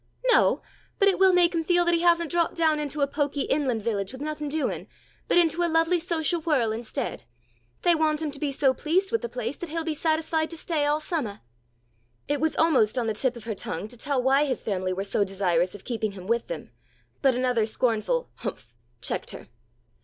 "No, but it will make him feel that he hasn't dropped down into a poky inland village with nothing doing, but into a lovely social whirl instead. They want him to be so pleased with the place that he'll be satisfied to stay all summah." It was almost on the tip of her tongue to tell why his family were so desirous of keeping him with them, but another scornful "humph!" checked her.